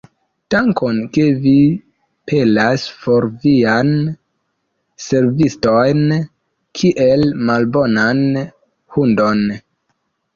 Dankon, ke vi pelas for vian serviston kiel malbonan hundon!